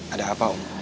ada apa om